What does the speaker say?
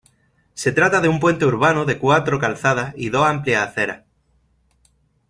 Se trata de un puente urbano de cuatro calzadas y dos amplias aceras.